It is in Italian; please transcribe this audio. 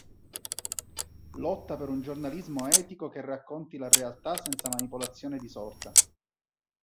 Lotta per un giornalismo etico che racconti la realtà senza manipolazione di sorta”.